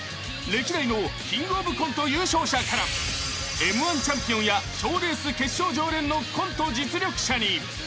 ［歴代のキングオブコント優勝者からＭ−１チャンピオンや賞レース決勝常連のコント実力者に］